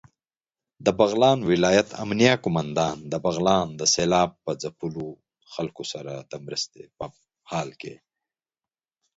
دبغلان ولايت امنيه قوماندان دبغلان د سېلاب ځپلو خلکو سره دمرستې په حال کې